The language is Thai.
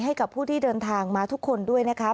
ให้กับผู้ที่เดินทางมาทุกคนด้วยนะคะ